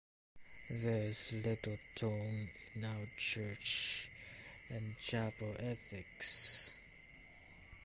There is little tone in our church and chapel ethics.